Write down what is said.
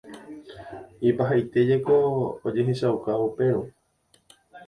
Ipahaite jeko ojehechauka upérõ.